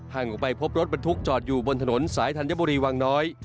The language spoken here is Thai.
ออกไปพบรถบรรทุกจอดอยู่บนถนนสายธัญบุรีวังน้อย